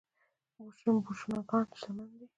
بوشونګان شتمن دي.